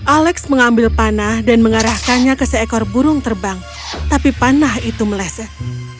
alex mengambil panah dan mengarahkannya ke seekor burung terbang tapi panah itu meleset